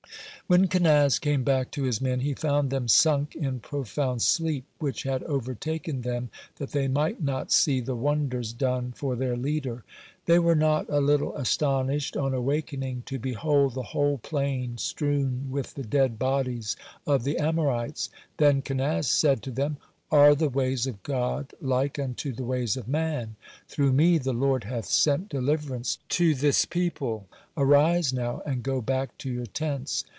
(18) When Kenaz came back to his men, he found them sunk in profound sleep, which had overtaken them that they might not see the wonders done for their leader. They were not a little astonished, on awakening, to behold the whole plain strewn with the dead bodies of the Amorites. Then Kenaz said to them: "Are the ways of God like unto the ways of man? Through me the Lord hath sent deliverance to this people. Arise now and go back to your tents."